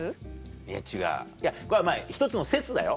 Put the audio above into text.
いや違うこれはまぁ１つの説だよ。